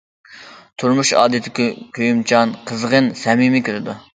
تۇرمۇش ئادىتى: كۆيۈمچان، قىزغىن، سەمىمىي كېلىدۇ.